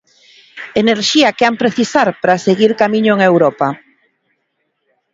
Enerxía que han precisar para seguir camiño en Europa.